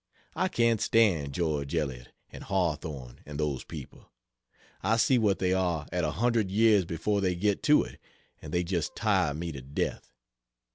I can't stand George Eliot and Hawthorne and those people; I see what they are at a hundred years before they get to it and they just tire me to death.